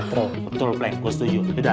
betul pleng gue setuju